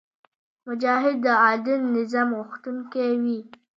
مجاهد د عادل نظام غوښتونکی وي.